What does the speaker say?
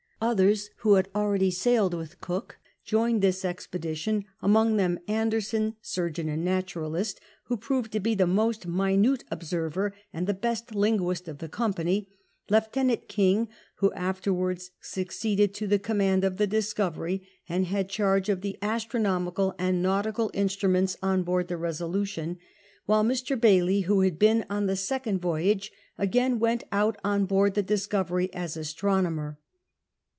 Others who had already sailed with Cook joined this expedition, among them Anderson, surgeon and naturalist, who proved to bo the most minute observer and the best linguist of the company ; Jiicutenant King, who afterwards succeeded to the command of the Discover y, and hail charge of the astronomical ami nautical instruments on board the Re soltdioth ; while Mr. Bayley^ who had been on the second voyage, again went out on boaixl the Discovery as astron omer.